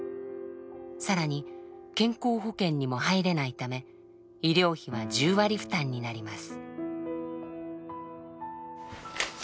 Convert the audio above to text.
更に健康保険にも入れないため医療費は１０割負担になります。